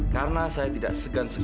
karena saya tidak segan segan